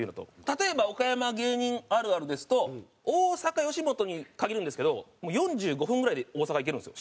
例えば岡山芸人あるあるですと大阪吉本に限るんですけど４５分ぐらいで大阪行けるんですよ